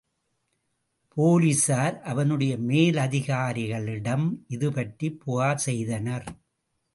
போலிஸார் அவனுடைய மேலதிகாரிகளிடம் இதுபற்றி புகார் செய்தனர்.